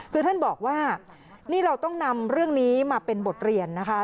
คือท่านบอกว่านี่เราต้องนำเรื่องนี้มาเป็นบทเรียนนะคะ